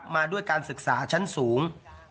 มาด้วยการศึกษาชั้นสูง